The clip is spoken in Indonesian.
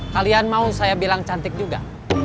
kalian mau saya bilang cantik juga